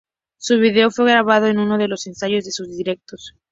Su vídeo fue grabado en uno de los ensayos de sus directos.